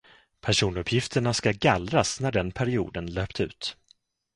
Personuppgifterna ska gallras när den perioden löpt ut.